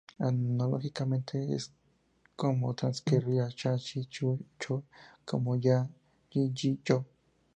Análogamente, es común transcribir "cha", "chi", "chu", "cho" como "ча", "чи", "чу", "чо".